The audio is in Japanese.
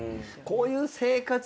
こういう生活？